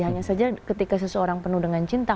hanya saja ketika seseorang penuh dengan cinta